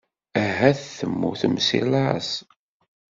Ahat temmutemt seg laẓ.